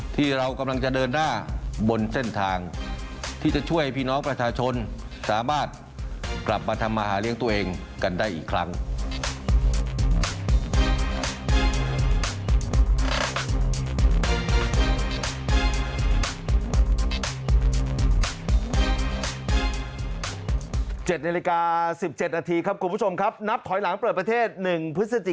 ที่เรากำลังจะเดินหน้าบนเส้นทางที่จะช่วยพี่น้องประชาชนสามารถกลับมาทำมาหาเลี้ยงตัวเองกันได้อีกครั้ง